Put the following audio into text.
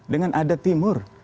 dengan adat timur